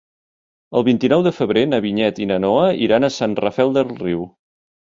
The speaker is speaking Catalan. El vint-i-nou de febrer na Vinyet i na Noa iran a Sant Rafel del Riu.